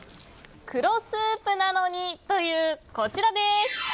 黒スープなのにという、こちら。